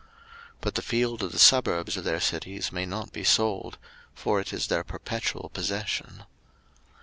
03:025:034 But the field of the suburbs of their cities may not be sold; for it is their perpetual possession.